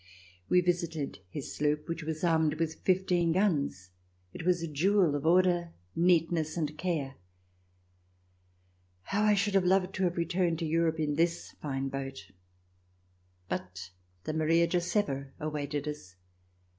We visited his sloop, which was armed with fifteen guns. It was a jewel of order, neatness and care. How I should have loved to have returned to Europe in this fine boat. But the " Maria Josepha " awaited us.